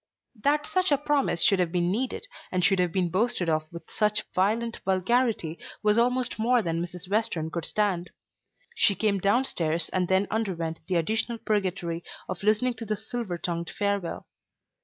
That such a promise should have been needed and should have been boasted of with such violent vulgarity was almost more than Mrs. Western could stand. She came down stairs and then underwent the additional purgatory of listening to the silver tongued farewell.